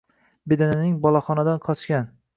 bedananing boloxonadan qochgan